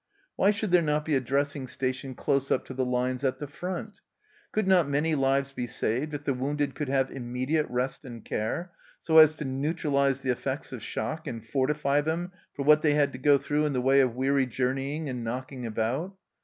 Why should there not be a dressing station close up to the lines at the front ? Could not many lives be saved if the wounded could have immediate rest and care, so as to neutralize the effects of shock and fortify them for what they had to go through in the way of weary journeying and knocking about